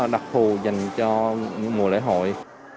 đặc phù dành cho mùa lễ hội